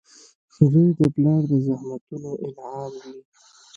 • زوی د پلار د زحمتونو انعام وي.